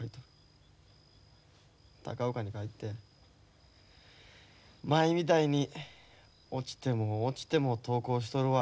高岡に帰って前みたいに落ちても落ちても投稿しとるわ